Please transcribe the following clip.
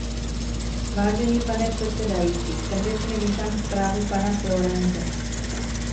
Vážený pane předsedající, srdečně vítám zprávu pana Florenze.